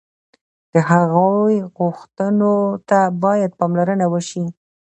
د هغوی غوښتنو ته باید پاملرنه وشي.